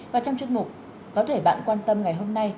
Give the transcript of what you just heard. và trong chương trình có thể bạn quan tâm ngày hôm nay